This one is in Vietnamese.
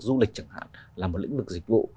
du lịch chẳng hạn là một lĩnh vực dịch vụ